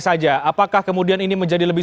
saja apakah kemudian ini menjadi lebih